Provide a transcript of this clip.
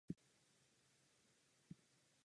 V zahradě pěstoval také léčivé byliny.